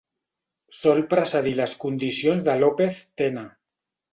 Sol precedir les condicions de López Tena.